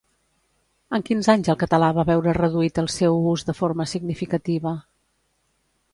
En quins anys el català va veure reduït el seu ús de forma significativa?